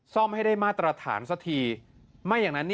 สักทีไม่อย่างนั้น